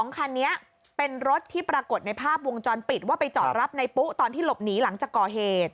คันนี้เป็นรถที่ปรากฏในภาพวงจรปิดว่าไปจอดรับในปุ๊ตอนที่หลบหนีหลังจากก่อเหตุ